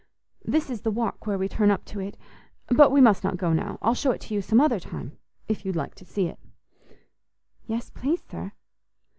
"This is the walk where we turn up to it. But we must not go now. I'll show it you some other time, if you'd like to see it." "Yes, please, sir."